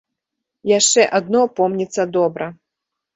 Яшчэ адно помніцца добра.